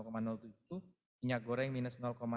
minyak goreng minus lima